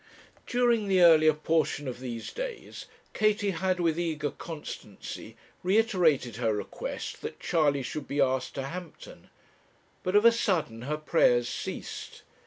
During the earlier portion of these days, Katie had with eager constancy reiterated her request that Charley should be asked to Hampton; but of a sudden her prayers ceased.